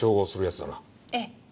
ええ。